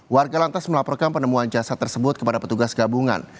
warga lantas melaporkan penemuan jasad tersebut kepada petugas gabungan